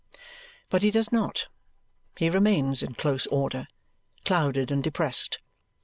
But he does not. He remains in close order, clouded and depressed.